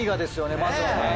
まずはね。